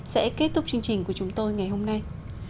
sẽ kết thúc chương trình của chúng tôi ngày hôm nay